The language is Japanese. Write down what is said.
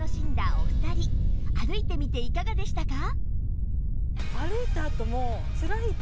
歩いてみていかがでしたか？